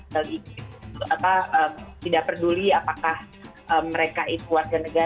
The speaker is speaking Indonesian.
tidak peduli apakah mereka itu warga negara ataupun nanti resident